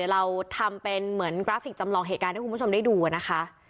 เราทำเป็นเหมือนกราฟิกจำลองเหตุการณ์ให้คุณผู้ชมได้ดูนะคะ